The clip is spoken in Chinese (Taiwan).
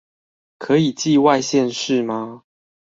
可以寄外縣市嗎